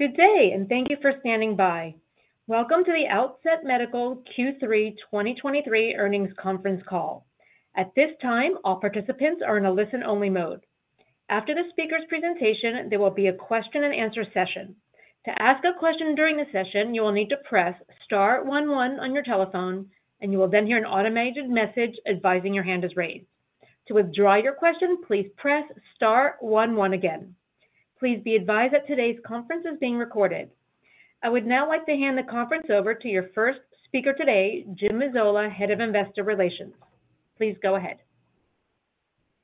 Good day, and thank you for standing by. Welcome to the Outset Medical Q3 2023 Earnings Conference Call. At this time, all participants are in a listen-only mode. After the speaker's presentation, there will be a question-and-answer session. To ask a question during the session, you will need to press star one one on your telephone, and you will then hear an automated message advising your hand is raised. To withdraw your question, please press star one one again. Please be advised that today's conference is being recorded. I would now like to hand the conference over to your first speaker today, Jim Mazzola, Head of Investor Relations. Please go ahead.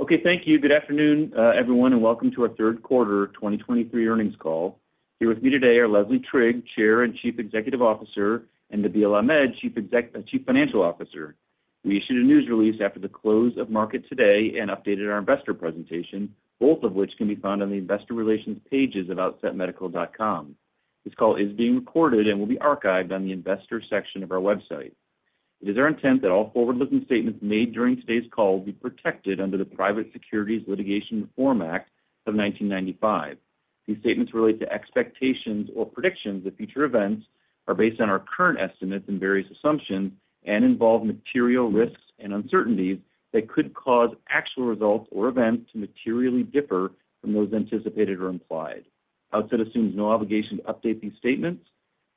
Okay, thank you. Good afternoon, everyone, and welcome to our third quarter 2023 earnings call. Here with me today are Leslie Trigg, Chair and Chief Executive Officer, and Nabeel Ahmed, Chief Financial Officer. We issued a news release after the close of market today and updated our investor presentation, both of which can be found on the investor relations pages of outsetmedical.com. This call is being recorded and will be archived on the investors section of our website. It is our intent that all forward-looking statements made during today's call will be protected under the Private Securities Litigation Reform Act of 1995. These statements relate to expectations or predictions that future events are based on our current estimates and various assumptions and involve material risks and uncertainties that could cause actual results or events to materially differ from those anticipated or implied. Outset assumes no obligation to update these statements.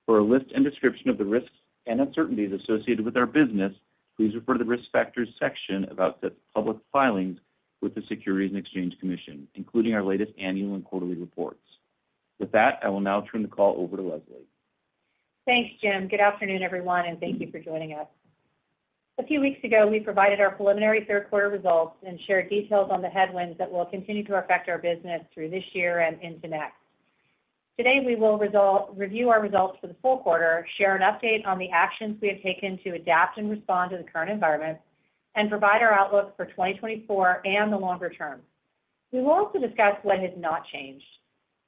For a list and description of the risks and uncertainties associated with our business, please refer to the Risk Factors section of Outset's public filings with the Securities and Exchange Commission, including our latest annual and quarterly reports. With that, I will now turn the call over to Leslie. Thanks, Jim. Good afternoon, everyone, and thank you for joining us. A few weeks ago, we provided our preliminary third quarter results and shared details on the headwinds that will continue to affect our business through this year and into next. Today, we will review our results for the full quarter, share an update on the actions we have taken to adapt and respond to the current environment, and provide our outlook for 2024 and the longer term. We will also discuss what has not changed.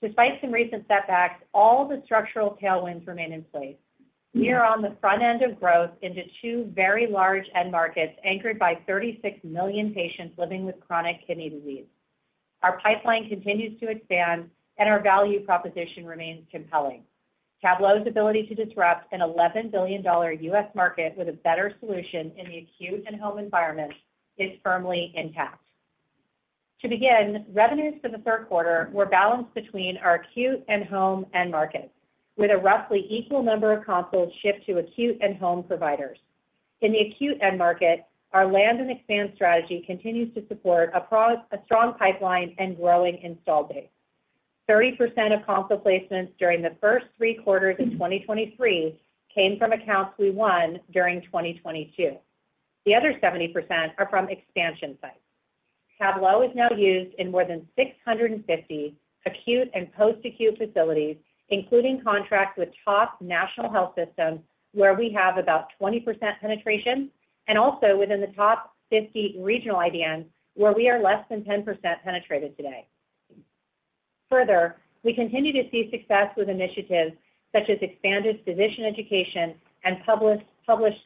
Despite some recent setbacks, all the structural tailwinds remain in place. We are on the front end of growth into two very large end markets, anchored by 36 million patients living with chronic kidney disease. Our pipeline continues to expand, and our value proposition remains compelling. Tablo's ability to disrupt an $11 billion U.S. market with a better solution in the acute and home environment is firmly intact. To begin, revenues for the third quarter were balanced between our acute and home end markets, with a roughly equal number of consoles shipped to acute and home providers. In the acute end market, our land and expand strategy continues to support a strong pipeline and growing installed base. 30% of console placements during the first three quarters of 2023 came from accounts we won during 2022. The other 70% are from expansion sites. Tablo is now used in more than 650 acute and post-acute facilities, including contracts with top national health systems, where we have about 20% penetration, and also within the top 50 regional IDNs, where we are less than 10% penetrated today. Further, we continue to see success with initiatives such as expanded physician education and published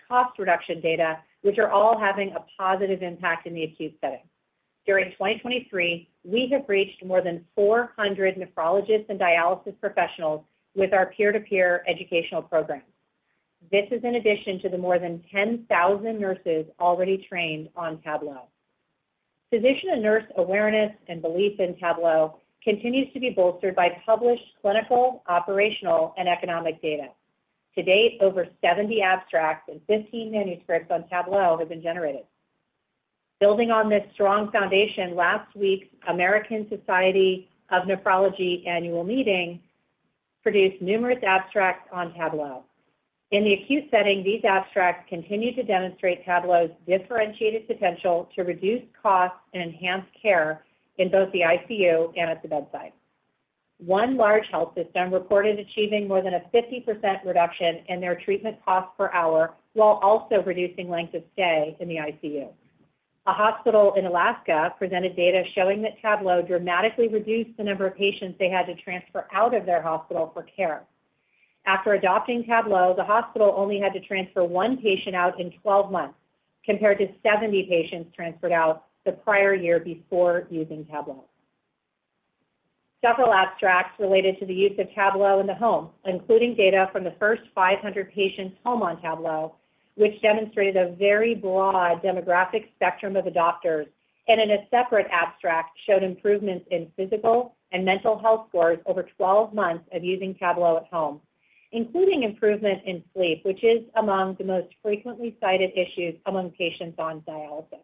cost reduction data, which are all having a positive impact in the acute setting. During 2023, we have reached more than 400 nephrologists and dialysis professionals with our peer-to-peer educational programs. This is in addition to the more than 10,000 nurses already trained on Tablo. Physician and nurse awareness and belief in Tablo continues to be bolstered by published clinical, operational, and economic data. To date, over 70 abstracts and 15 manuscripts on Tablo have been generated. Building on this strong foundation, last week's American Society of Nephrology annual meeting produced numerous abstracts on Tablo. In the acute setting, these abstracts continued to demonstrate Tablo's differentiated potential to reduce costs and enhance care in both the ICU and at the bedside. One large health system reported achieving more than a 50% reduction in their treatment cost per hour, while also reducing length of stay in the ICU. A hospital in Alaska presented data showing that Tablo dramatically reduced the number of patients they had to transfer out of their hospital for care. After adopting Tablo, the hospital only had to transfer one patient out in 12 months, compared to 70 patients transferred out the prior year before using Tablo. Several abstracts related to the use of Tablo in the home, including data from the first 500 patients home on Tablo, which demonstrated a very broad demographic spectrum of adopters, and in a separate abstract, showed improvements in physical and mental health scores over 12 months of using Tablo at home, including improvement in sleep, which is among the most frequently cited issues among patients on dialysis.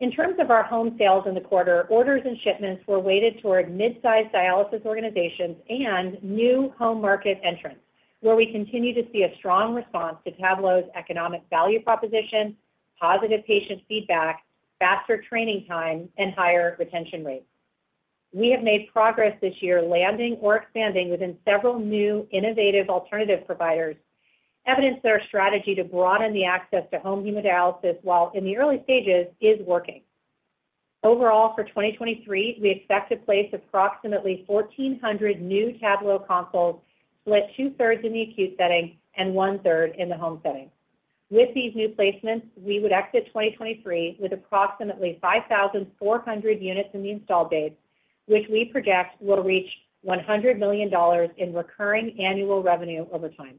In terms of our home sales in the quarter, orders and shipments were weighted toward mid-sized dialysis organizations and new home market entrants, where we continue to see a strong response to Tablo's economic value proposition, positive patient feedback, faster training time, and higher retention rates. We have made progress this year, landing or expanding within several new innovative alternative providers, evidence that our strategy to broaden the access to home hemodialysis, while in the early stages, is working. Overall, for 2023, we expect to place approximately 1,400 new Tablo consoles, split 2/3 in the acute setting and 1/3 in the home setting. With these new placements, we would exit 2023 with approximately 5,400 units in the installed base, which we project will reach $100 million in recurring annual revenue over time.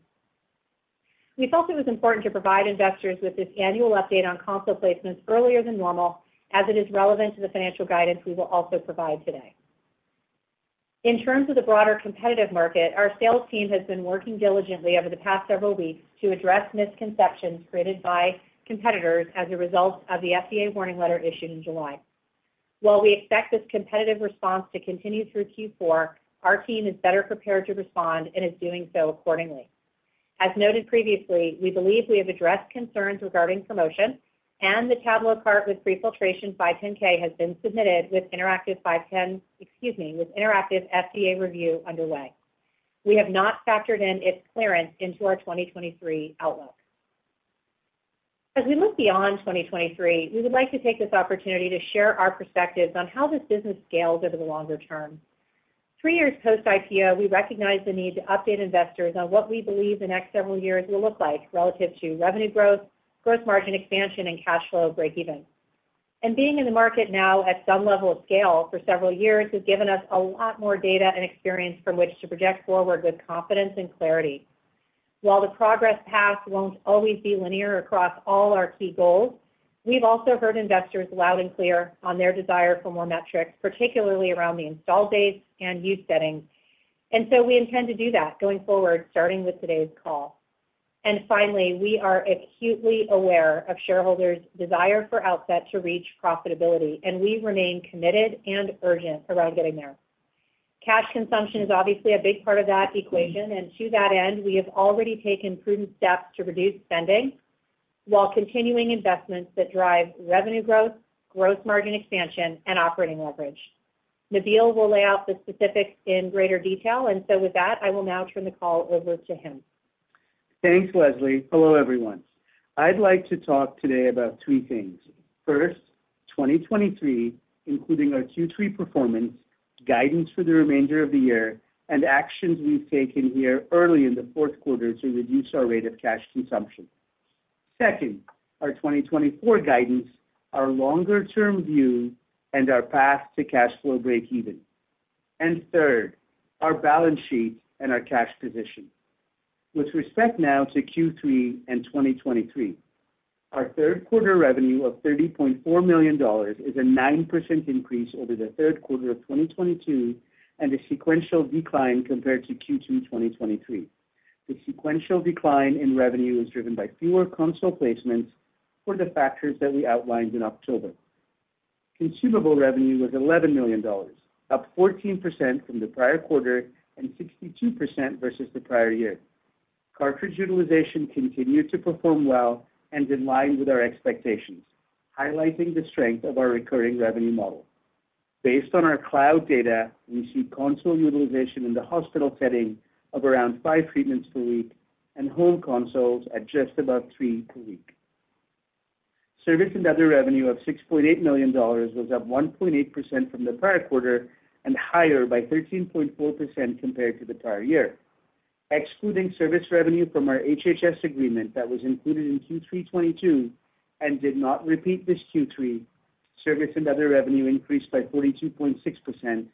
We thought it was important to provide investors with this annual update on console placements earlier than normal, as it is relevant to the financial guidance we will also provide today. In terms of the broader competitive market, our sales team has been working diligently over the past several weeks to address misconceptions created by competitors as a result of the FDA warning letter issued in July. While we expect this competitive response to continue through Q4, our team is better prepared to respond and is doing so accordingly. As noted previously, we believe we have addressed concerns regarding promotion, and the TabloCart with Prefiltration 510(k) has been submitted, with interactive five ten-- excuse me, with interactive FDA review underway. We have not factored in its clearance into our 2023 outlook. As we look beyond 2023, we would like to take this opportunity to share our perspectives on how this business scales over the longer term. three years post-IPO, we recognize the need to update investors on what we believe the next several years will look like relative to revenue growth, gross margin expansion, and cash flow breakeven. Being in the market now at some level of scale for several years has given us a lot more data and experience from which to project forward with confidence and clarity. While the progress path won't always be linear across all our key goals, we've also heard investors loud and clear on their desire for more metrics, particularly around the installed base and use settings. So we intend to do that going forward, starting with today's call. And finally, we are acutely aware of shareholders' desire for Outset to reach profitability, and we remain committed and urgent around getting there. Cash consumption is obviously a big part of that equation, and to that end, we have already taken prudent steps to reduce spending while continuing investments that drive revenue growth, gross margin expansion, and operating leverage. Nabeel will lay out the specifics in greater detail, and so with that, I will now turn the call over to him. Thanks, Leslie. Hello, everyone. I'd like to talk today about three things. First, 2023, including our Q3 performance, guidance for the remainder of the year, and actions we've taken here early in the fourth quarter to reduce our rate of cash consumption. Second, our 2024 guidance, our longer-term view, and our path to cash flow breakeven. And third, our balance sheet and our cash position. With respect now to Q3 and 2023, our third quarter revenue of $30.4 million is a 9% increase over the third quarter of 2022 and a sequential decline compared to Q2 2023. The sequential decline in revenue was driven by fewer console placements for the factors that we outlined in October. Consumable revenue was $11 million, up 14% from the prior quarter and 62% versus the prior year. Cartridge utilization continued to perform well and in line with our expectations, highlighting the strength of our recurring revenue model. Based on our cloud data, we see console utilization in the hospital setting of around five treatments per week and home consoles at just about three per week. Service and other revenue of $6.8 million was up 1.8% from the prior quarter and higher by 13.4% compared to the prior year. Excluding service revenue from our HHS agreement that was included in Q3 2022 and did not repeat this Q3, service and other revenue increased by 42.6%,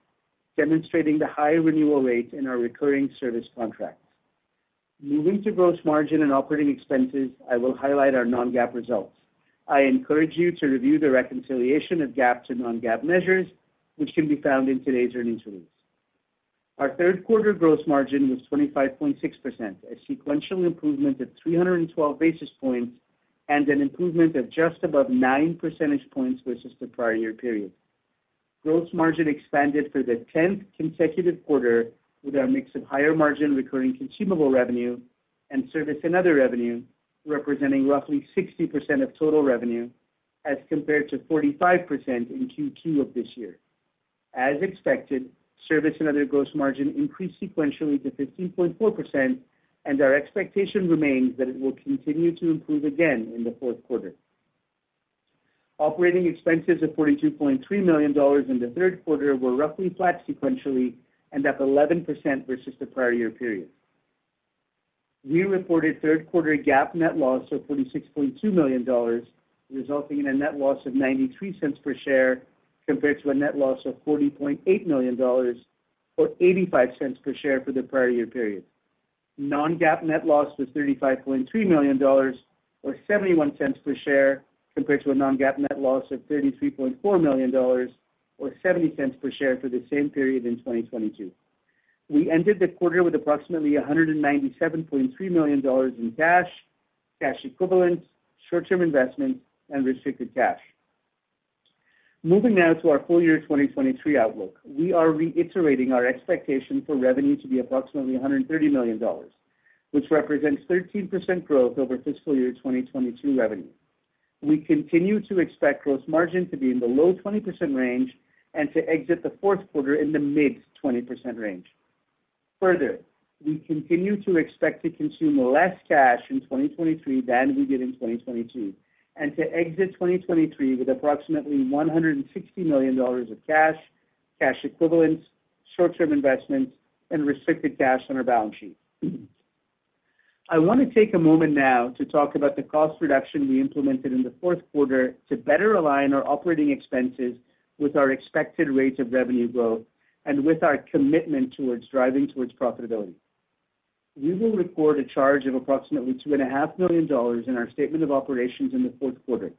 demonstrating the high renewal rate in our recurring service contracts. Moving to gross margin and operating expenses, I will highlight our non-GAAP results. I encourage you to review the reconciliation of GAAP to non-GAAP measures, which can be found in today's earnings release. Our third quarter gross margin was 25.6%, a sequential improvement of 312 basis points and an improvement of just above 9 percentage points versus the prior year period. Gross margin expanded for the tenth consecutive quarter with our mix of higher margin recurring consumable revenue and service and other revenue, representing roughly 60% of total revenue, as compared to 45% in Q2 of this year. As expected, service and other gross margin increased sequentially to 15.4%, and our expectation remains that it will continue to improve again in the fourth quarter. Operating expenses of $42.3 million in the third quarter were roughly flat sequentially and up 11% versus the prior year period. We reported third quarter GAAP net loss of $46.2 million, resulting in a net loss of $0.93 per share, compared to a net loss of $40.8 million, or $0.85 per share for the prior year period. Non-GAAP net loss was $35.3 million, or $0.71 per share, compared to a non-GAAP net loss of $33.4 million, or $0.70 per share for the same period in 2022. We ended the quarter with approximately $197.3 million in cash, cash equivalents, short-term investments, and restricted cash. Moving now to our full year 2023 outlook. We are reiterating our expectation for revenue to be approximately $130 million, which represents 13% growth over fiscal year 2022 revenue. We continue to expect gross margin to be in the low 20% range and to exit the fourth quarter in the mid-20% range. Further, we continue to expect to consume less cash in 2023 than we did in 2022 and to exit 2023 with approximately $160 million of cash, cash equivalents, short-term investments, and restricted cash on our balance sheet. I want to take a moment now to talk about the cost reduction we implemented in the fourth quarter to better align our operating expenses with our expected rates of revenue growth and with our commitment towards driving towards profitability. We will record a charge of approximately $2.5 million in our statement of operations in the fourth quarter,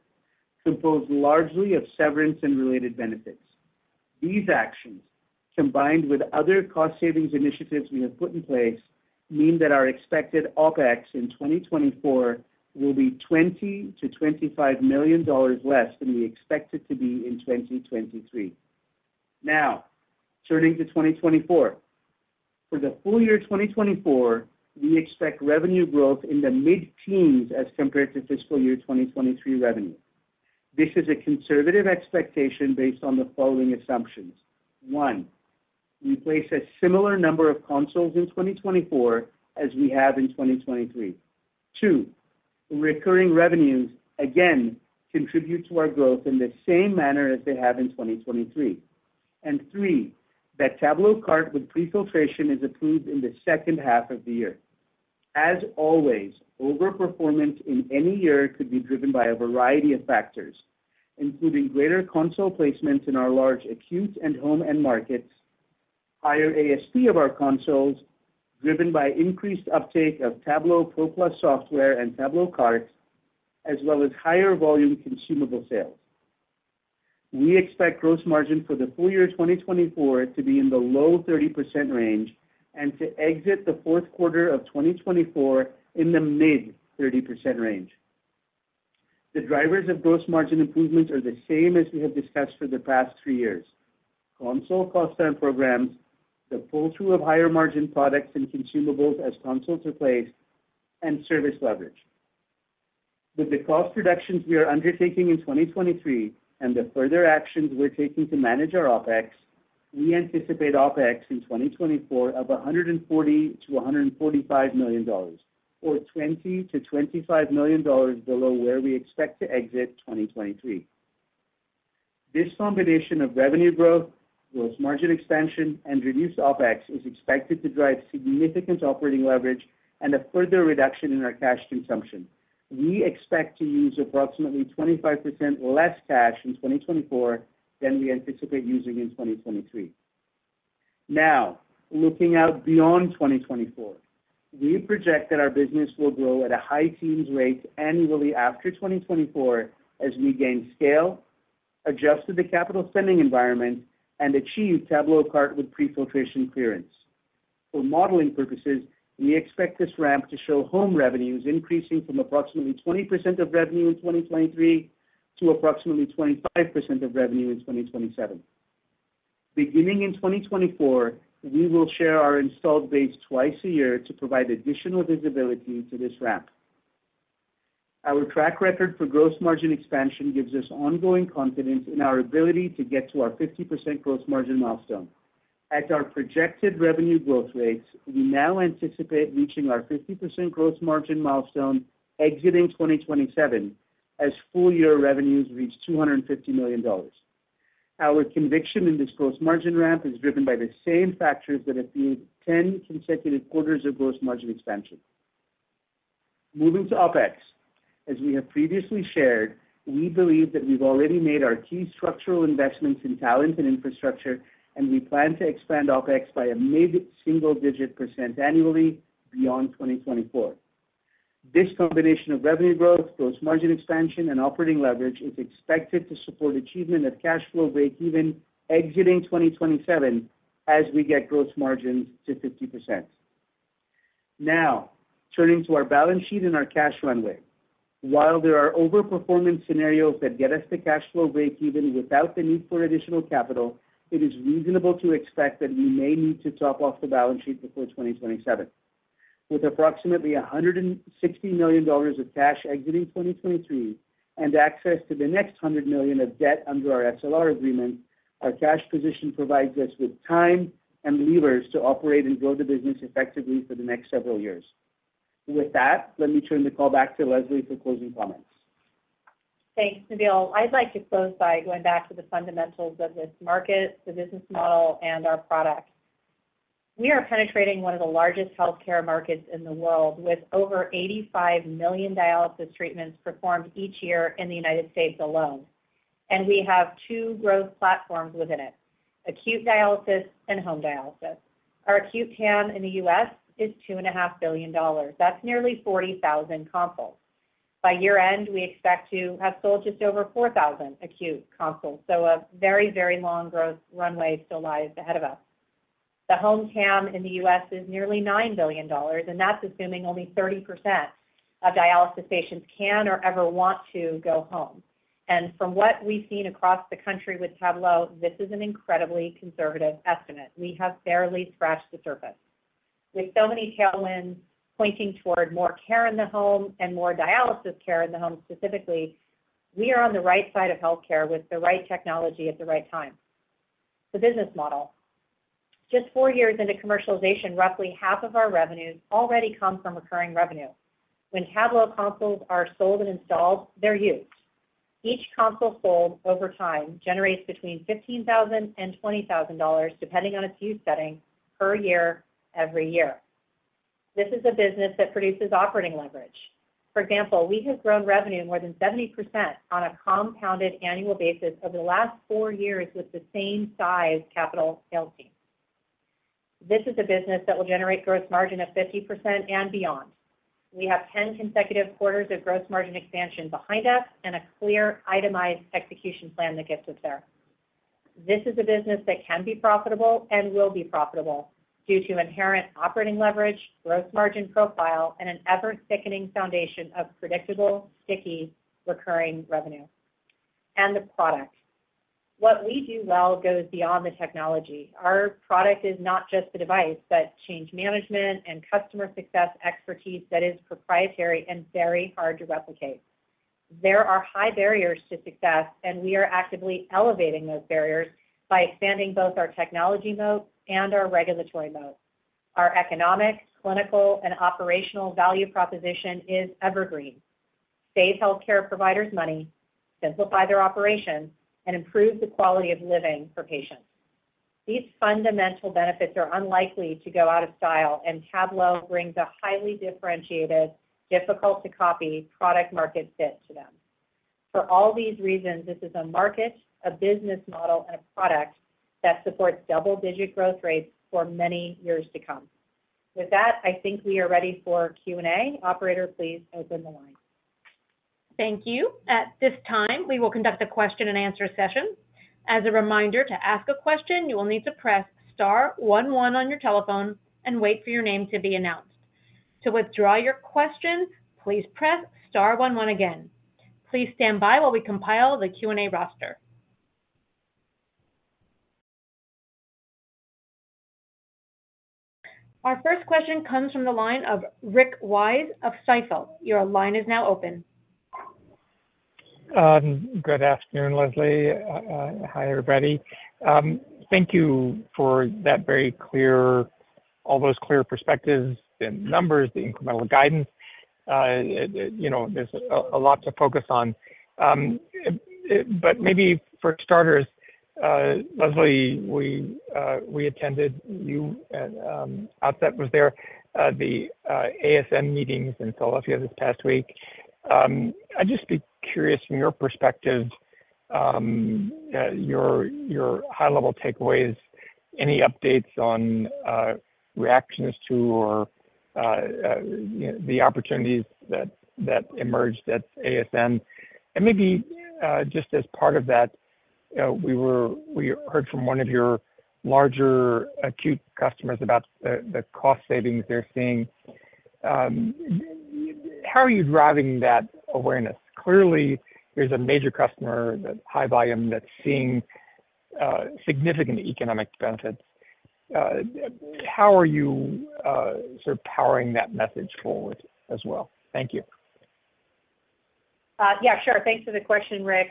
composed largely of severance and related benefits. These actions, combined with other cost savings initiatives we have put in place, mean that our expected OpEx in 2024 will be $20-25 million less than we expect it to be in 2023. Now, turning to 2024. For the full year 2024, we expect revenue growth in the mid-teens as compared to fiscal year 2023 revenue. This is a conservative expectation based on the following assumptions. One, we place a similar number of consoles in 2024 as we have in 2023. Two, recurring revenues, again, contribute to our growth in the same manner as they have in 2023. And three, that TabloCart with pre-filtration is approved in the second half of the year. As always, overperformance in any year could be driven by a variety of factors, including greater console placements in our large, acute, and home end markets, higher ASP of our consoles, driven by increased uptake of Tablo ProPlus software and TabloCarts, as well as higher volume consumable sales. We expect gross margin for the full year 2024 to be in the low 30% range and to exit the fourth quarter of 2024 in the mid-30% range. The drivers of gross margin improvements are the same as we have discussed for the past three years: console cost down programs, the pull-through of higher-margin products and consumables as consoles are placed, and service leverage. With the cost reductions we are undertaking in 2023 and the further actions we're taking to manage our OpEx, we anticipate OpEx in 2024 of $140-145 million, or $20-25 million below where we expect to exit 2023. This combination of revenue growth, gross margin expansion, and reduced OpEx is expected to drive significant operating leverage and a further reduction in our cash consumption. We expect to use approximately 25% less cash in 2024 than we anticipate using in 2023. Now, looking out beyond 2024, we project that our business will grow at a high teens rate annually after 2024, as we gain scale, adjust to the capital spending environment, and achieve TabloCart with Prefiltration clearance. For modeling purposes, we expect this ramp to show home revenues increasing from approximately 20% of revenue in 2023 to approximately 25% of revenue in 2027. Beginning in 2024, we will share our installed base twice a year to provide additional visibility to this ramp. Our track record for gross margin expansion gives us ongoing confidence in our ability to get to our 50% gross margin milestone. At our projected revenue growth rates, we now anticipate reaching our 50% gross margin milestone exiting 2027, as full-year revenues reach $250 million. Our conviction in this gross margin ramp is driven by the same factors that have been 10 consecutive quarters of gross margin expansion. Moving to OpEx. As we have previously shared, we believe that we've already made our key structural investments in talent and infrastructure, and we plan to expand OpEx by a mid-single-digit % annually beyond 2024. This combination of revenue growth, gross margin expansion, and operating leverage is expected to support achievement of cash flow breakeven exiting 2027, as we get gross margins to 50%. Now, turning to our balance sheet and our cash runway. While there are overperformance scenarios that get us to cash flow breakeven without the need for additional capital, it is reasonable to expect that we may need to top off the balance sheet before 2027. With approximately $160 million of cash exiting 2023 and access to the next $100 million of debt under our SLR agreement, our cash position provides us with time and levers to operate and grow the business effectively for the next several years. With that, let me turn the call back to Leslie for closing comments. Thanks, Nabeel. I'd like to close by going back to the fundamentals of this market, the business model, and our product. We are penetrating one of the largest healthcare markets in the world, with over 85 million dialysis treatments performed each year in the United States alone, and we have two growth platforms within it, acute dialysis and home dialysis. Our acute TAM in the US is $2.5 billion. That's nearly 40,000 consoles. By year-end, we expect to have sold just over 4,000 acute consoles, so a very, very long growth runway still lies ahead of us. The home TAM in the US is nearly $9 billion, and that's assuming only 30% of dialysis patients can or ever want to go home. And from what we've seen across the country with Tablo, this is an incredibly conservative estimate. We have barely scratched the surface. With so many tailwinds pointing toward more care in the home and more dialysis care in the home, specifically, we are on the right side of healthcare with the right technology at the right time. The business model. Just four years into commercialization, roughly half of our revenues already come from recurring revenue. When Tablo consoles are sold and installed, they're used. Each console sold over time generates between $15,000 and $20,000, depending on its use setting, per year,-every-year. This is a business that produces operating leverage. For example, we have grown revenue more than 70% on a compounded annual basis over the last four years with the same size capital sales team. This is a business that will generate gross margin of 50% and beyond. We have 10 consecutive quarters of gross margin expansion behind us and a clear itemized execution plan that gets us there. This is a business that can be profitable and will be profitable due to inherent operating leverage, gross margin profile, and an ever-thickening foundation of predictable, sticky, recurring revenue. And the product. What we do well goes beyond the technology. Our product is not just the device, but change management and customer success expertise that is proprietary and very hard to replicate. There are high barriers to success, and we are actively elevating those barriers by expanding both our technology moat and our regulatory moat. Our economic, clinical, and operational value proposition is evergreen. Save healthcare providers money, simplify their operation, and improve the quality of living for patients. These fundamental benefits are unlikely to go out of style, and Tablo brings a highly differentiated, difficult to copy product market fit to them. For all these reasons, this is a market, a business model, and a product that supports double-digit growth rates for many years to come. With that, I think we are ready for Q&A. Operator, please open the line. Thank you. At this time, we will conduct a question-and-answer session. As a reminder, to ask a question, you will need to press star one, one on your telephone and wait for your name to be announced. To withdraw your question, please press star one, one again. Please stand by while we compile the Q&A roster. Our first question comes from the line of Rick Wise of Stifel. Your line is now open. Good afternoon, Leslie. Hi, everybody. Thank you for that very clear-- all those clear perspectives, the numbers, the incremental guidance. You know, there's a lot to focus on. But maybe for starters, Leslie, we attended you, and Outset was there, the ASN meetings in Philadelphia this past week. I'd just be curious from your perspective, your high-level takeaways, any updates on reactions to or the opportunities that emerged at ASN? And maybe, just as part of that, we heard from one of your larger acute customers about the cost savings they're seeing. How are you driving that awareness? Clearly, there's a major customer that's high volume that's seeing significant economic benefits. How are you sort of powering that message forward as well? Thank you. Yeah, sure. Thanks for the question, Rick.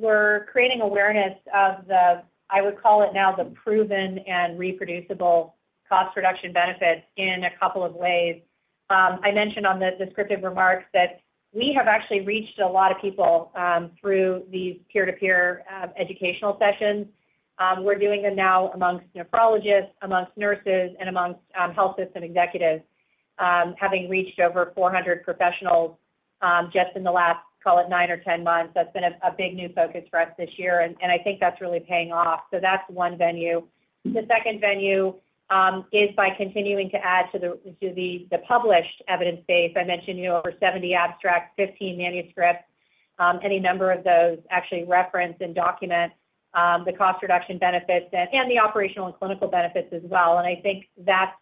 We're creating awareness of the, I would call it now, the proven and reproducible cost reduction benefits in a couple of ways. I mentioned on the descriptive remarks that we have actually reached a lot of people through these peer-to-peer educational sessions. We're doing them now amongst nephrologists, amongst nurses, and amongst health system executives, having reached over 400 professionals just in the last, call it, 9 or 10 months. That's been a big new focus for us this year, and I think that's really paying off. So that's one venue. The second venue is by continuing to add to the published evidence base. I mentioned, you know, over 70 abstracts, 15 manuscripts. Any number of those actually reference and document the cost reduction benefits and the operational and clinical benefits as well. I think that's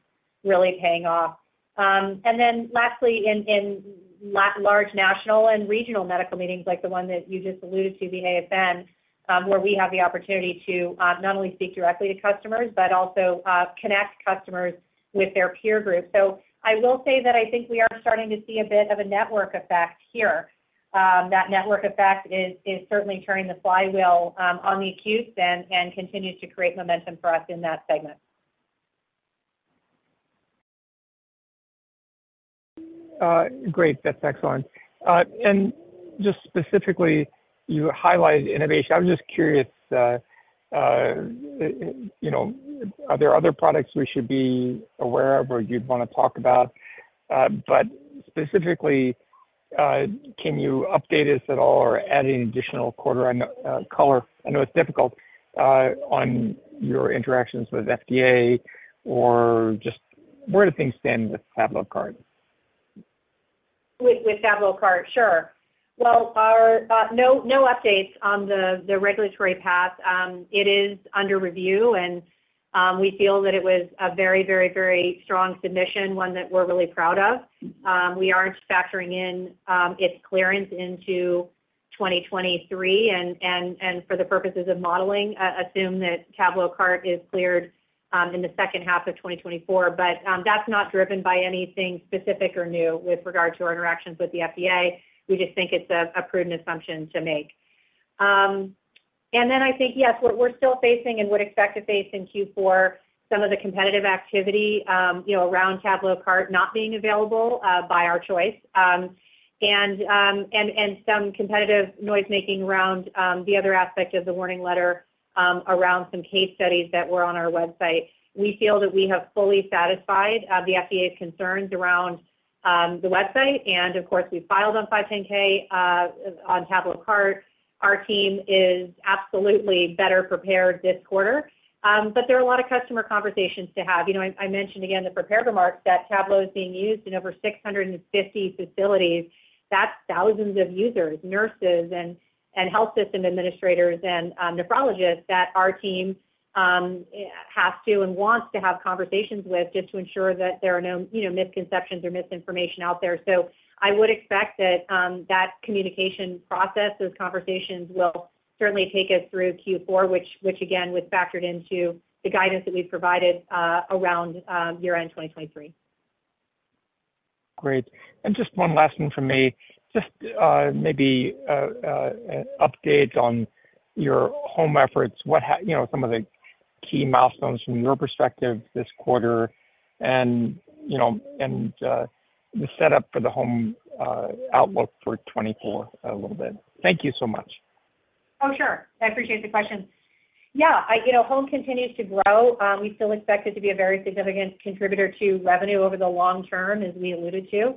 really paying off. And then lastly, in large national and regional medical meetings, like the one that you just alluded to, the ASN, where we have the opportunity to not only speak directly to customers, but also connect customers with their peer group. So I will say that I think we are starting to see a bit of a network effect here. That network effect is certainly turning the flywheel on the acute and continues to create momentum for us in that segment. Great. That's excellent. Just specifically, you highlighted innovation. I'm just curious, you know, are there other products we should be aware of or you'd want to talk about? Specifically, can you update us at all or add any additional quarter color? I know it's difficult on your interactions with FDA or just where do things stand with TabloCart? With TabloCart? Sure. Well, no updates on the regulatory path. It is under review, and we feel that it was a very, very, very strong submission, one that we're really proud of. We are factoring in its clearance into 2023. And for the purposes of modeling, assume that TabloCart is cleared in the second half of 2024. But that's not driven by anything specific or new with regard to our interactions with the FDA. We just think it's a prudent assumption to make. And then, yes, what we're still facing and would expect to face in Q4, some of the competitive activity, you know, around TabloCart not being available by our choice. And some competitive noise making around the other aspect of the warning letter around some case studies that were on our website. We feel that we have fully satisfied the FDA's concerns around the website, and of course, we filed on 510k on TabloCart. Our team is absolutely better prepared this quarter. But there are a lot of customer conversations to have. You know, I mentioned again, the prepared remarks that Tablo is being used in over 650 facilities. That's thousands of users, nurses and health system administrators and nephrologists that our team has to and wants to have conversations with, just to ensure that there are no, you know, misconceptions or misinformation out there. So I would expect that communication process, those conversations, will certainly take us through Q4, which again was factored into the guidance that we've provided, around year-end 2023. Great. Just one last one from me. Just maybe an update on your home efforts. What, you know, some of the key milestones from your perspective this quarter, and, you know, and the setup for the home outlook for 2024, a little bit. Thank you so much. Oh, sure. I appreciate the question. Yeah, I—you know, home continues to grow. We still expect it to be a very significant contributor to revenue over the long term, as we alluded to.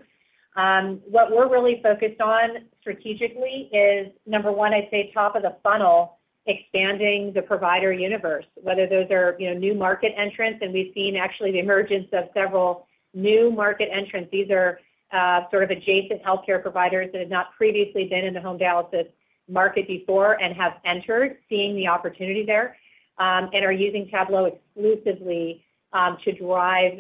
What we're really focused on strategically is, number one, I'd say, top of the funnel, expanding the provider universe, whether those are, you know, new market entrants, and we've seen actually the emergence of several new market entrants. These are sort of adjacent healthcare providers that had not previously been in the home dialysis market before and have entered, seeing the opportunity there, and are using Tablo exclusively to drive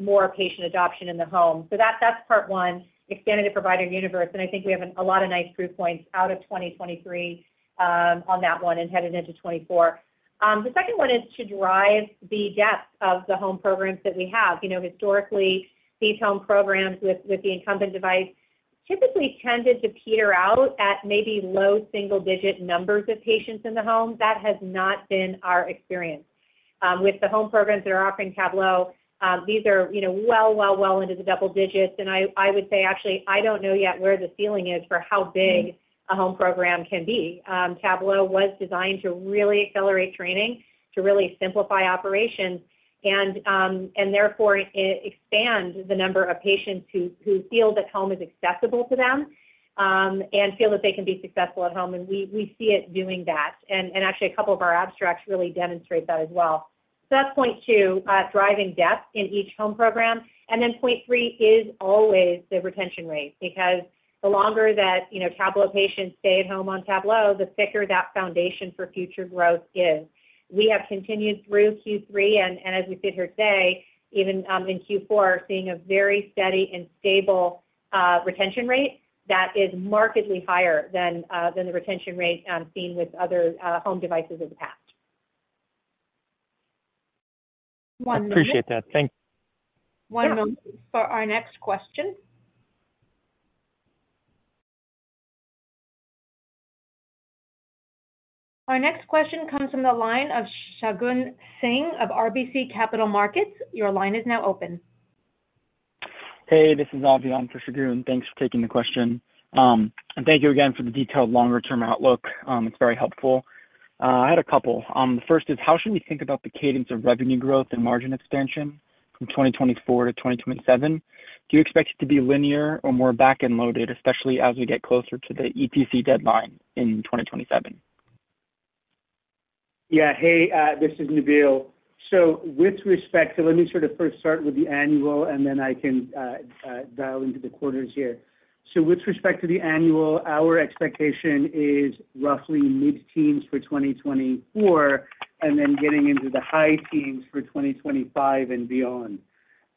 more patient adoption in the home. So that's part one, expanding the provider universe, and I think we have a lot of nice proof points out of 2023 on that one and headed into 2024. The second one is to drive the depth of the home programs that we have. You know, historically, these home programs with the incumbent device typically tended to peter out at maybe low single digit numbers of patients in the home. That has not been our experience. With the home programs that are offering Tablo, these are, you know, well into the double digits. And I would say, actually, I don't know yet where the ceiling is for how big a home program can be. Tablo was designed to really accelerate training, to really simplify operations, and therefore expand the number of patients who feel that home is accessible to them, and feel that they can be successful at home. And we see it doing that. Actually, a couple of our abstracts really demonstrate that as well. So that's point two, driving depth in each home program. And then point three is always the retention rate, because the longer that, you know, Tablo patients stay at home on Tablo, the thicker that foundation for future growth is. We have continued through Q3, and as we sit here today, even in Q4, seeing a very steady and stable retention rate that is markedly higher than the retention rate seen with other home devices in the past. One moment. Appreciate that. Thank- One moment for our next question. Our next question comes from the line of Shagun Singh of RBC Capital Markets. Your line is now open. Hey, this is Aviant for Shagun. Thanks for taking the question. And thank you again for the detailed longer term outlook. It's very helpful. I had a couple. The first is: How should we think about the cadence of revenue growth and margin expansion from 2024 to 2027? Do you expect it to be linear or more back-end loaded, especially as we get closer to the ETC deadline in 2027? Yeah. Hey, this is Nabeel. So with respect to, let me sort of first start with the annual, and then I can dial into the quarters here. So with respect to the annual, our expectation is roughly mid-teens for 2024, and then getting into the high teens for 2025 and beyond.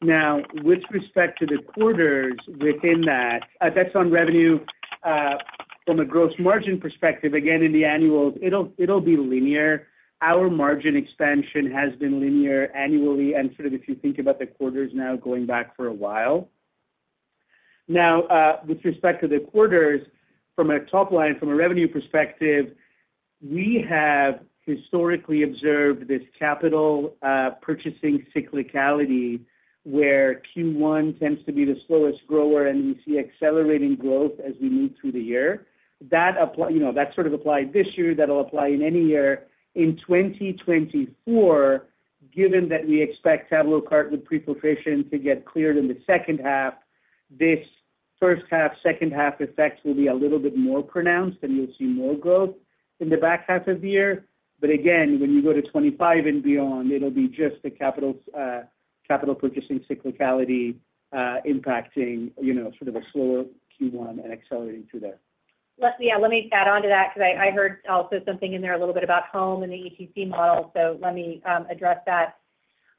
Now, with respect to the quarters within that, that's on revenue from a gross margin perspective, again, in the annual, it'll be linear. Our margin expansion has been linear annually, and sort of if you think about the quarters now going back for a while. Now, with respect to the quarters, from a top line, from a revenue perspective, we have historically observed this capital purchasing cyclicality, where Q1 tends to be the slowest grower, and we see accelerating growth as we move through the year. That apply, you know, that sort of applied this year, that'll apply in any year. In 2024, given that we expect TabloCart with Prefiltration to get cleared in the second half, this first half, second half effect will be a little bit more pronounced, and you'll see more growth in the back half of the year. But again, when you go to 2025 and beyond, it'll be just the capital, capital purchasing cyclicality, impacting, you know, sort of a slower Q1 and accelerating through there. Yeah, let me add on to that, because I heard also something in there a little bit about home and the ETC model, so let me address that.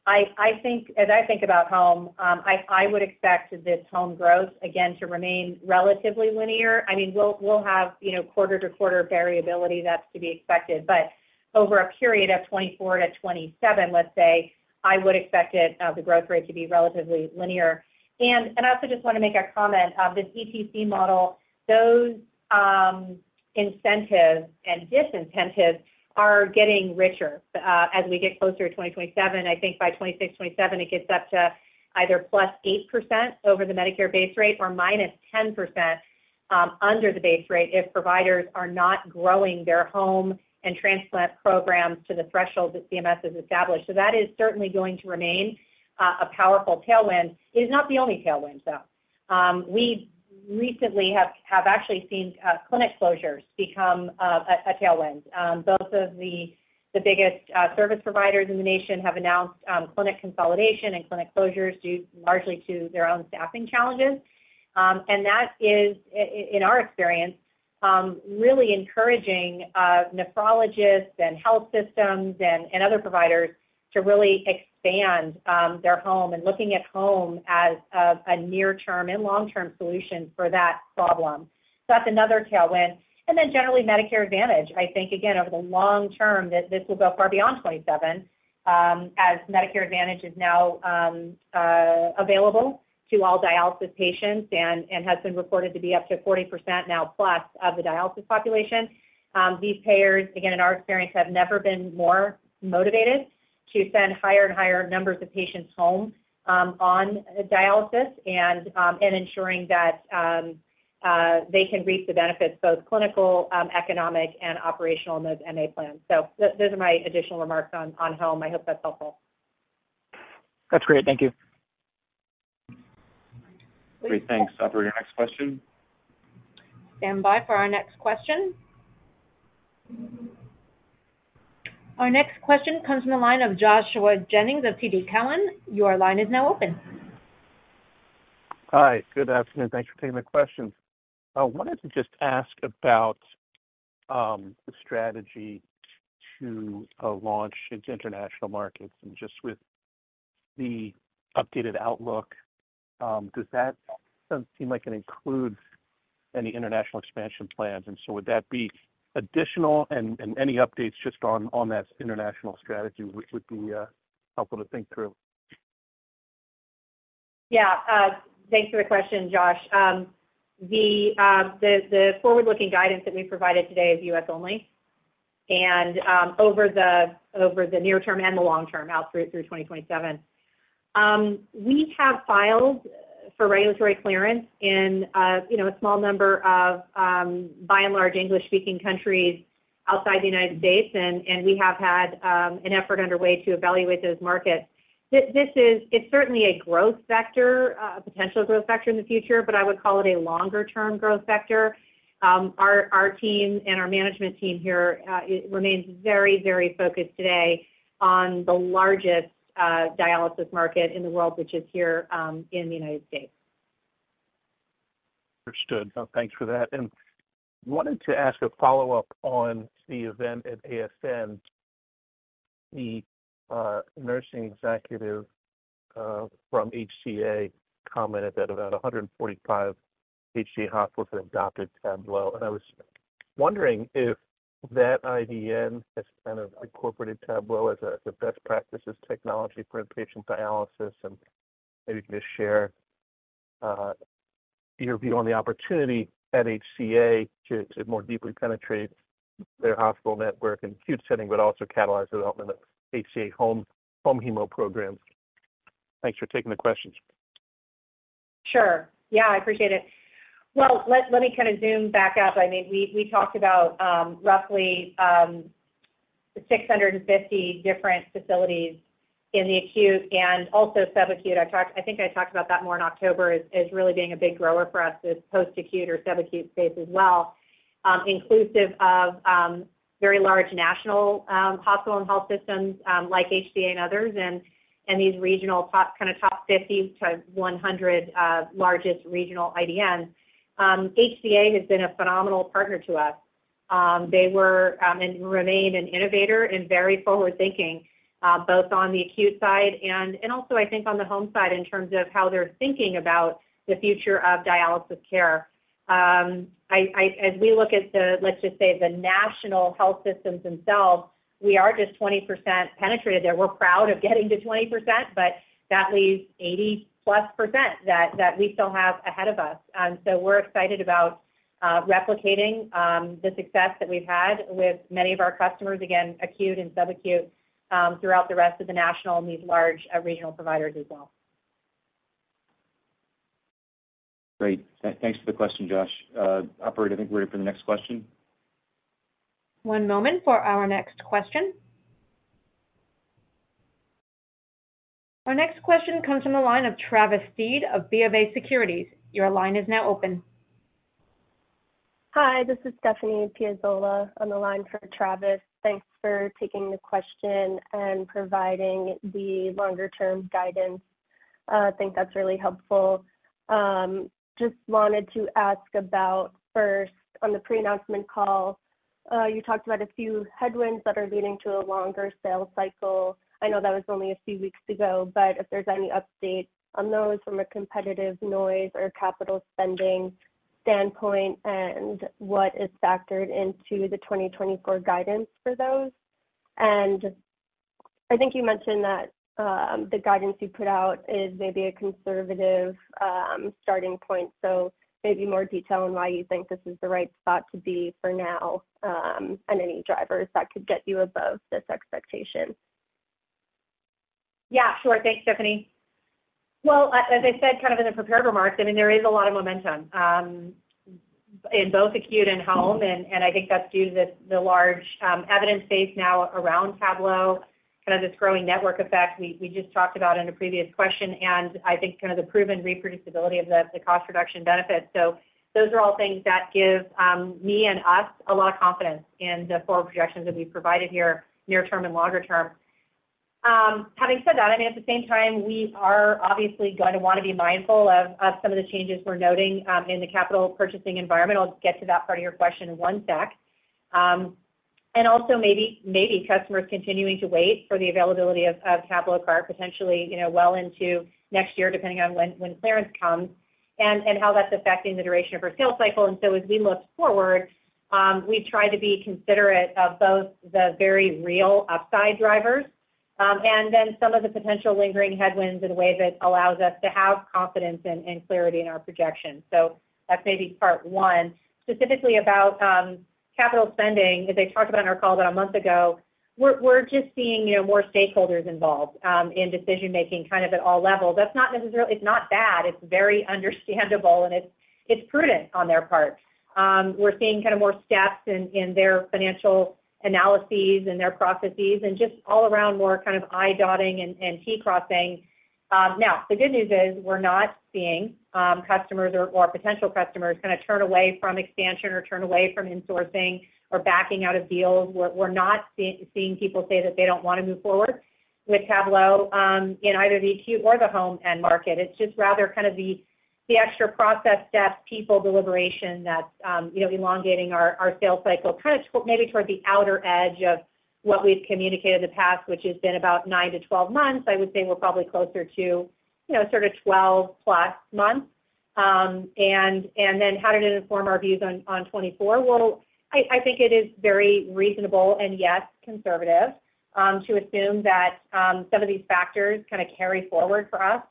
I think, as I think about home, I would expect this home growth, again, to remain relatively linear. I mean, we'll have, you know, quarter-to-quarter variability. That's to be expected. But over a period of 2024-2027, let's say, I would expect the growth rate to be relatively linear. And I also just want to make a comment, this ETC model, those incentives and disincentives are getting richer as we get closer to 2027. I think by 2026, 2027, it gets up to either +8% over the Medicare base rate or -10% under the base rate if providers are not growing their home and transplant programs to the threshold that CMS has established. So that is certainly going to remain a powerful tailwind. It is not the only tailwind, though. We recently have actually seen clinic closures become a tailwind. Both of the biggest service providers in the nation have announced clinic consolidation and clinic closures, due largely to their own staffing challenges. And that is in our experience really encouraging nephrologists and health systems and other providers to really expand their home, and looking at home as a near-term and long-term solution for that problem. So that's another tailwind. And then generally, Medicare Advantage. I think, again, over the long term, that this will go far beyond 27%, as Medicare Advantage is now available to all dialysis patients and has been reported to be up to 40% now, plus of the dialysis population. These payers, again, in our experience, have never been more motivated to send higher and higher numbers of patients home on dialysis and ensuring that they can reap the benefits, both clinical, economic, and operational in those MA plans. So those are my additional remarks on home. I hope that's helpful. That's great. Thank you. Great. Thanks. Operator, next question. Stand by for our next question. Our next question comes from the line of Joshua Jennings of TD Cowen. Your line is now open. Hi, good afternoon. Thanks for taking my questions. I wanted to just ask about the strategy to launch into international markets. And just with the updated outlook, does that seem like it includes any international expansion plans? And so would that be additional, and any updates just on that international strategy, which would be helpful to think through? Yeah, thanks for the question, Josh. The forward-looking guidance that we provided today is U.S. only, and over the near term and the long term, out through 2027. We have filed for regulatory clearance in, you know, a small number of, by and large, English-speaking countries outside the United States, and we have had an effort underway to evaluate those markets. This is, it's certainly a growth vector, a potential growth vector in the future, but I would call it a longer term growth vector. Our team and our management team here remains very, very focused today on the largest dialysis market in the world, which is here in the United States. Understood. Well, thanks for that. Wanted to ask a follow-up on the event at ASN. The nursing executive from HCA commented that about 145 HCA hospitals have adopted Tablo, and I was wondering if that IDN has kind of incorporated Tablo as the best practices technology for inpatient dialysis, and maybe just share your view on the opportunity at HCA to more deeply penetrate their hospital network and acute setting, but also catalyze the development of HCA home Home Hemo programs. Thanks for taking the questions. Sure. Yeah, I appreciate it. Well, let me kind of zoom back out. I mean, we talked about roughly 650 different facilities in the acute and also subacute. I think I talked about that more in October, as really being a big grower for us, this post-acute or subacute space as well. Inclusive of very large national hospital and health systems like HCA and others, and these regional top, kind of top 50 to 100 largest regional IDNs. HCA has been a phenomenal partner to us. They were and remain an innovator and very forward thinking both on the acute side and also I think on the home side, in terms of how they're thinking about the future of dialysis care. I—as we look at the, let's just say, the national health systems themselves, we are just 20% penetrated there. We're proud of getting to 20%, but that leaves 80%+ that we still have ahead of us. So we're excited about replicating the success that we've had with many of our customers, again, acute and subacute, throughout the rest of the national and these large regional providers as well. Great. Thanks for the question, Josh. Operator, I think we're ready for the next question. One moment for our next question. Our next question comes from the line of Travis Steed of BofA Securities. Your line is now open. Hi, this is Stephanie Piazzola on the line for Travis. Thanks for taking the question and providing the longer-term guidance. I think that's really helpful. Just wanted to ask about, first, on the pre-announcement call, you talked about a few headwinds that are leading to a longer sales cycle. I know that was only a few weeks ago, but if there's any update on those from a competitive noise or capital spending standpoint and what is factored into the 2024 guidance for those? And I think you mentioned that, the guidance you put out is maybe a conservative starting point. So maybe more detail on why you think this is the right spot to be for now, and any drivers that could get you above this expectation. Yeah, sure. Thanks, Stephanie. Well, as I said, kind of in the prepared remarks, I mean, there is a lot of momentum in both acute and home, and I think that's due to the large evidence base now around Tablo, kind of this growing network effect we just talked about in a previous question, and I think kind of the proven reproducibility of the cost reduction benefits. So those are all things that give me and us a lot of confidence in the forward projections that we've provided here, near term and longer term. Having said that, I mean, at the same time, we are obviously going to want to be mindful of some of the changes we're noting in the capital purchasing environment. I'll get to that part of your question in one sec. And also maybe, maybe customers continuing to wait for the availability of TabloCart potentially, you know, well into next year, depending on when clearance comes, and how that's affecting the duration of our sales cycle. And so as we look forward, we try to be considerate of both the very real upside drivers, and then some of the potential lingering headwinds in a way that allows us to have confidence and clarity in our projections. So that's maybe part one. Specifically about capital spending, as I talked about on our call about a month ago, we're just seeing, you know, more stakeholders involved in decision making, kind of at all levels. That's not necessarily. It's not bad. It's very understandable, and it's prudent on their part. We're seeing kind of more steps in their financial analyses and their processes and just all around more kind of I dotting and T crossing. Now, the good news is, we're not seeing customers or potential customers kind of turn away from expansion or turn away from insourcing or backing out of deals. We're not seeing people say that they don't want to move forward with Tablo in either the acute or the home end market. It's just rather kind of the extra process steps, people deliberation, that you know, elongating our sales cycle, kind of to maybe toward the outer edge of what we've communicated in the past, which has been about nine-12 months. I would say we're probably closer to you know, sort of 12+ months. And then how did it inform our views on 2024? Well, I think it is very reasonable and yet conservative to assume that some of these factors kind of carry forward for us,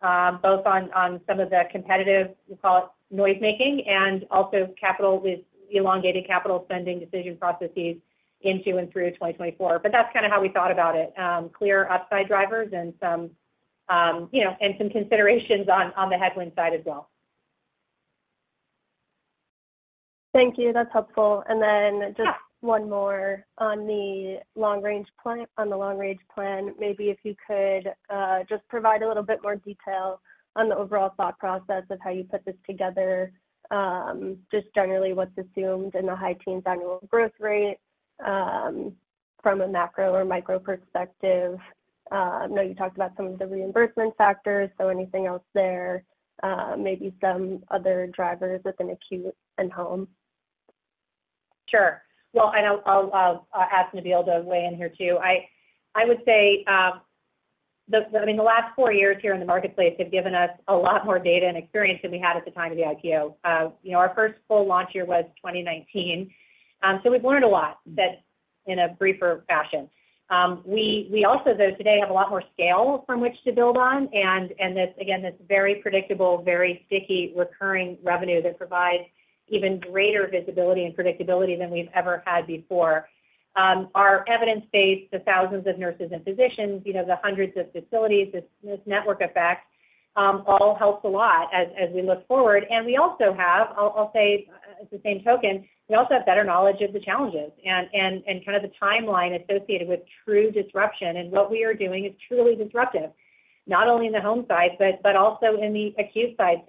both on some of the competitive, we call it noise making, and also capital with elongated capital spending decision processes into and through 2024. But that's kind of how we thought about it, clear upside drivers and some, you know, and some considerations on the headwind side as well. Thank you. That's helpful. And then- Yeah. Just one more on the long range plan, on the long range plan. Maybe if you could just provide a little bit more detail on the overall thought process of how you put this together. Just generally, what's assumed in the high teens annual growth rate, from a macro or micro perspective. I know you talked about some of the reimbursement factors, so anything else there, maybe some other drivers within acute and home? Sure. Well, I know I'll ask Nabeel to weigh in here, too. I would say, I mean, the last four years here in the marketplace have given us a lot more data and experience than we had at the time of the IPO. You know, our first full launch year was 2019. So we've learned a lot, but in a briefer fashion. We also, though, today have a lot more scale from which to build on, and this, again, this very predictable, very sticky, recurring revenue that provides even greater visibility and predictability than we've ever had before. Our evidence base, the thousands of nurses and physicians, you know, the hundreds of facilities, this network effect, all helps a lot as we look forward. And we also have, I'll say, by the same token, we also have better knowledge of the challenges and kind of the timeline associated with true disruption. What we are doing is truly disruptive, not only in the home side, but also in the acute side.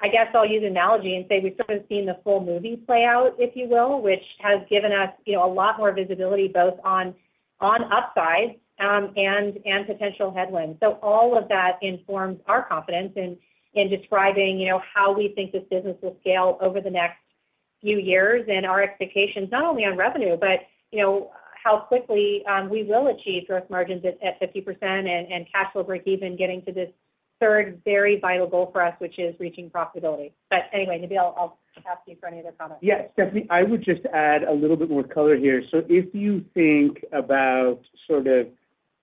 So I guess I'll use analogy and say we've sort of seen the full movie play out, if you will, which has given us, you know, a lot more visibility, both on upside and potential headwinds. So all of that informs our confidence in, in describing, you know, how we think this business will scale over the next few years, and our expectations, not only on revenue, but you know, how quickly we will achieve gross margins at 50% and cash flow breakeven, getting to this third very vital goal for us, which is reaching profitability. But anyway, Nabeel, I'll ask you for any other comments. Yes, Stephanie, I would just add a little bit more color here. So if you think about sort of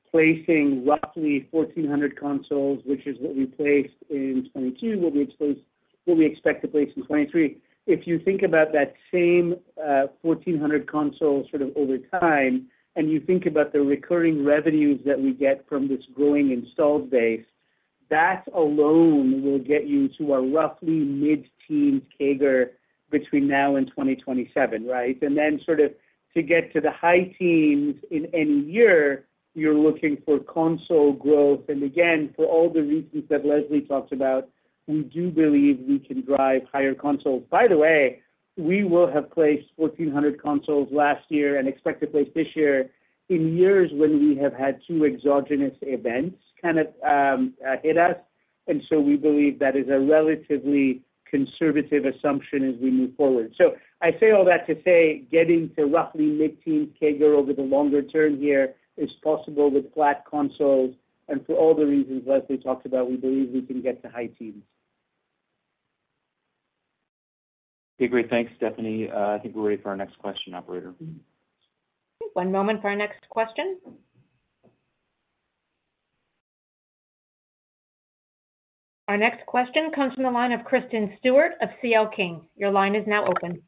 placing roughly 1,400 consoles, which is what we placed in 2022, what we expect, what we expect to place in 2023. If you think about that same, 1,400 consoles sort of over time, and you think about the recurring revenues that we get from this growing installed base, that alone will get you to a roughly mid-teen CAGR between now and 2027, right? And then sort of to get to the high teens in any year, you're looking for console growth. And again, for all the reasons that Leslie talked about, we do believe we can drive higher consoles. By the way, we will have placed 1,400 consoles last year and expect to place this year-in-years when we have had two exogenous events kind of, hit us, and so we believe that is a relatively conservative assumption as we move forward. So I say all that to say, getting to roughly mid-teen CAGR over the longer term here is possible with flat consoles, and for all the reasons Leslie talked about, we believe we can get to high teens. Okay, great. Thanks, Stephanie. I think we're ready for our next question, operator. One moment for our next question. Our next question comes from the line of Kristen Stewart of CL King. Your line is now open.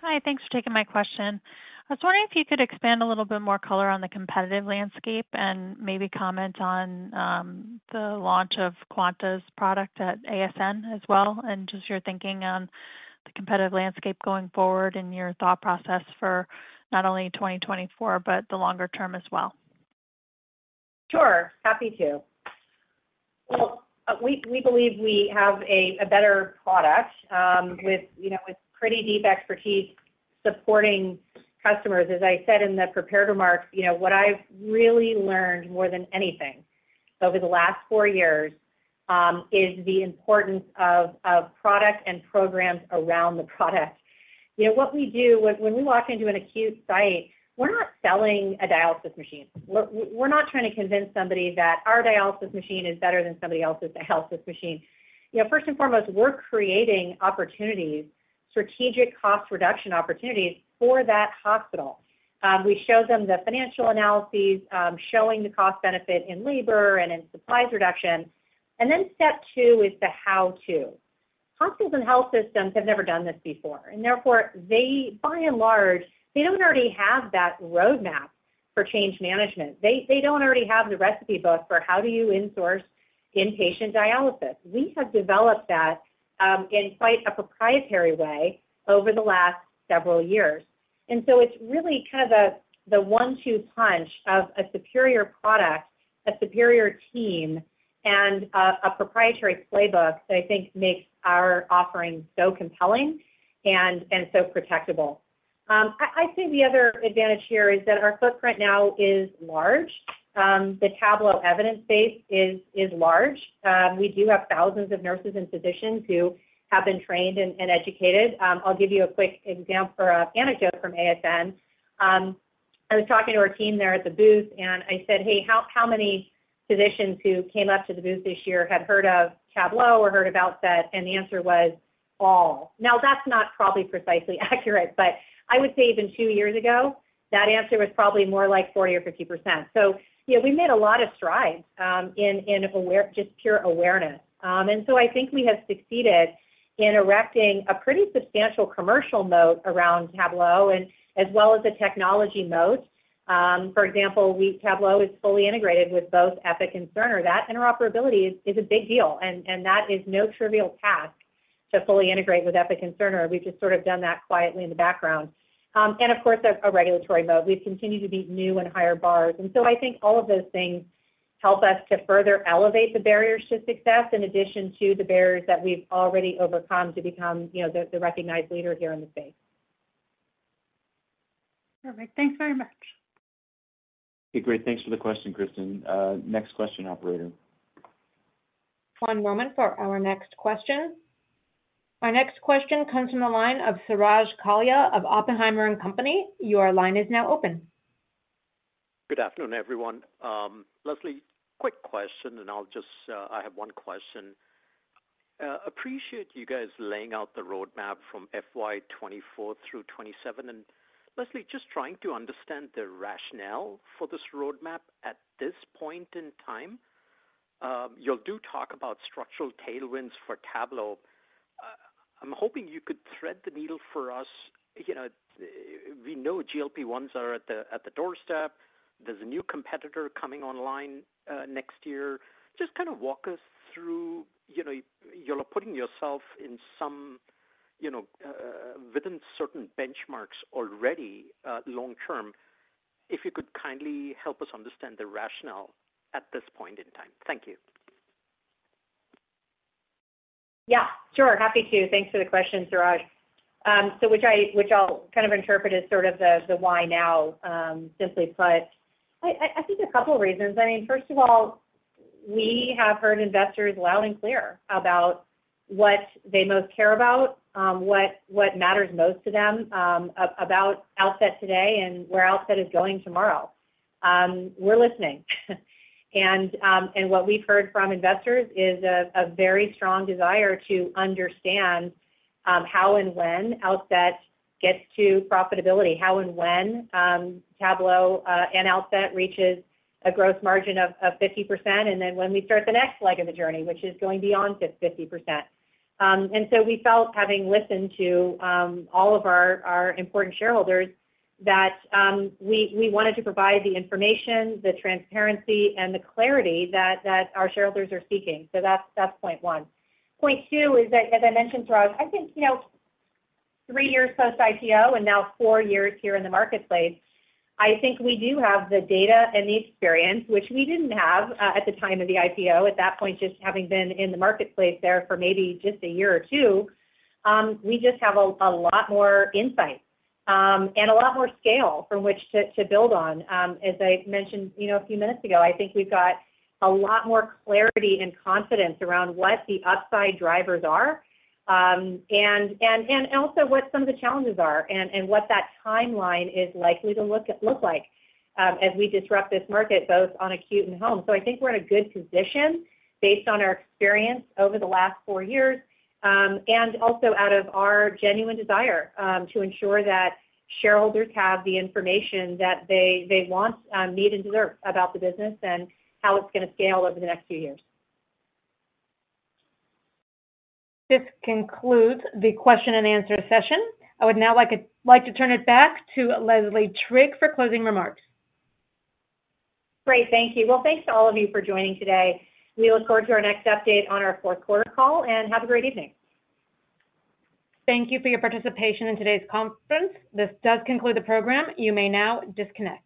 Hi, thanks for taking my question. I was wondering if you could expand a little bit more color on the competitive landscape and maybe comment on, the launch of Quanta's product at ASN as well, and just your thinking on the competitive landscape going forward and your thought process for not only 2024, but the longer term as well? Sure, happy to. Well, we believe we have a better product, with, you know, with pretty deep expertise supporting customers. As I said in the prepared remarks, you know, what I've really learned more than anything over the last four years is the importance of product and programs around the product. You know, what we do, when we walk into an acute site, we're not selling a dialysis machine. We're not trying to convince somebody that our dialysis machine is better than somebody else's dialysis machine. You know, first and foremost, we're creating opportunities, strategic cost reduction opportunities for that hospital. We show them the financial analyses, showing the cost benefit in labor and in supplies reduction. And then step two is the how-to. Hospitals and health systems have never done this before, and therefore they, by and large, they don't already have that roadmap for change management. They, they don't already have the recipe book for how do you in-source inpatient dialysis. We have developed that, in quite a proprietary way over the last several years. And so it's really kind of the, the one-two punch of a superior product, a superior team, and a, a proprietary playbook that I think makes our offering so compelling and, and so protectable. I, I think the other advantage here is that our footprint now is large. The Tablo evidence base is, is large. We do have thousands of nurses and physicians who have been trained and, and educated. I'll give you a quick example or an anecdote from ASN. I was talking to our team there at the booth, and I said: Hey, how, how many physicians who came up to the booth this year had heard of Tablo or heard about Outset? And the answer was, "All." Now, that's not probably precisely accurate, but I would say even two years ago, that answer was probably more like 40% or 50%. So, you know, we've made a lot of strides in awareness, just pure awareness. And so I think we have succeeded in erecting a pretty substantial commercial moat around Tablo and, as well as a technology moat. For example, Tablo is fully integrated with both Epic and Cerner. That interoperability is a big deal, and that is no trivial task to fully integrate with Epic and Cerner. We've just sort of done that quietly in the background. And of course, a regulatory moat. We've continued to meet new and higher bars. And so I think all of those things help us to further elevate the barriers to success, in addition to the barriers that we've already overcome to become, you know, the recognized leader here in the space. Perfect. Thanks very much. Okay, great. Thanks for the question, Kristin. Next question, operator. One moment for our next question. Our next question comes from the line of Suraj Kalia of Oppenheimer & Co. Your line is now open. Good afternoon, everyone. Leslie, quick question, and I'll just... I have one question. Appreciate you guys laying out the roadmap from FY 2024 through 2027. Leslie, just trying to understand the rationale for this roadmap at this point in time. You do talk about structural tailwinds for Tablo. I'm hoping you could thread the needle for us. You know, we know GLP-1s are at the doorstep. There's a new competitor coming online next year. Just kind of walk us through, you know, you're putting yourself in some, you know, within certain benchmarks already long term. If you could kindly help us understand the rationale at this point in time. Thank you. Yeah, sure. Happy to. Thanks for the question, Suraj. So which I'll kind of interpret as sort of the why now, simply put. I think a couple reasons. I mean, first of all, we have heard investors loud and clear about what they most care about, what matters most to them, about Outset today and where Outset is going tomorrow. We're listening. And what we've heard from investors is a very strong desire to understand, how and when Outset gets to profitability, how and when Tablo and Outset reaches a gross margin of 50%, and then when we start the next leg of the journey, which is going beyond to 50%. And so we felt, having listened to all of our important shareholders, that we wanted to provide the information, the transparency, and the clarity that our shareholders are seeking. So that's point one. Point two is that, as I mentioned, Suraj, I think, you know, three years post-IPO, and now four years here in the marketplace, I think we do have the data and the experience, which we didn't have at the time of the IPO, at that point, just having been in the marketplace there for maybe just a year or two. We just have a lot more insight and a lot more scale from which to build on. As I mentioned, you know, a few minutes ago, I think we've got a lot more clarity and confidence around what the upside drivers are, and also what some of the challenges are, and what that timeline is likely to look like, as we disrupt this market, both on acute and home. So I think we're in a good position based on our experience over the last four years, and also out of our genuine desire to ensure that shareholders have the information that they want, need, and deserve about the business and how it's gonna scale over the next few years. This concludes the question and answer session. I would now like to turn it back to Leslie Trigg for closing remarks. Great. Thank you. Well, thanks to all of you for joining today. We look forward to our next update on our fourth quarter call, and have a great evening. Thank you for your participation in today's conference. This does conclude the program. You may now disconnect.